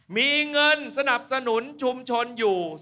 มีเงินสนับสนุนชุมชนอยู่